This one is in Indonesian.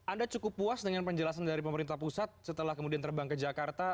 anda cukup puas dengan penjelasan dari pemerintah pusat setelah kemudian terbang ke jakarta